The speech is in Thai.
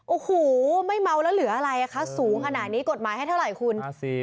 โอ้โหไม่เมาแล้วเหลืออะไรคะสูงขนาดนี้กฎหมายให้เท่าไหร่คุณ